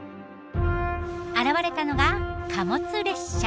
現れたのが貨物列車。